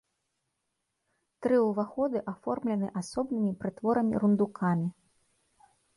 Тры ўваходы аформлены асобнымі прытворамі-рундукамі.